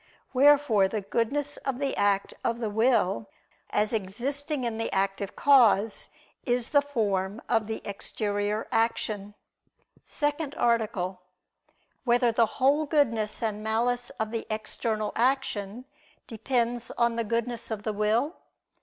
Wherefore the goodness of the act of the will, as existing in the active cause, is the form of the exterior action. ________________________ SECOND ARTICLE [I II, Q. 20, Art. 2] Whether the Whole Goodness and Malice of the External Action Depends on the Goodness of the Will?